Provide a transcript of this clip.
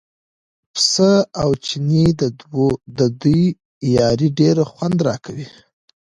پسه او چینی او د دوی یاري ډېر خوند راکوي.